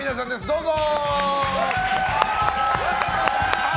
どうぞ！